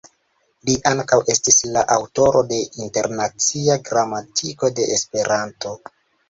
Li ankaŭ estis la aŭtoro de "Internacia Gramatiko de Esperanto.